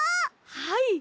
はい。